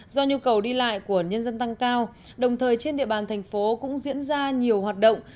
do nhu cầu đi lại của nhân dân tăng cao đồng thời trên địa bàn thành phố cũng diễn ra nhiều hoạt động